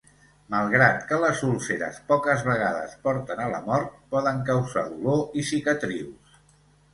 Malgrat que les úlceres poques vegades porten a la mort, poden causar dolor i cicatrius.